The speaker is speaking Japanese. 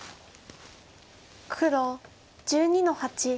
黒１２の八。